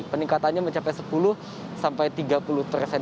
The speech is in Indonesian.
peningkatannya mencapai sepuluh sampai tiga puluh persen